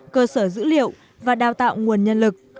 cơ sở dữ liệu và đào tạo nguồn nhân lực